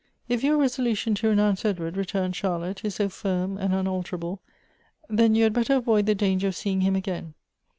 "If your resolution to renounce Edward," returned Charlotte, " is so firm and unalterable, then you had better avoid the danger of seeing him again.